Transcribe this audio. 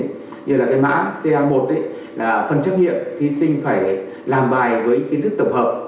như là cái mã ca một là phần trắc nghiệm thí sinh phải làm bài với kiến thức tổng hợp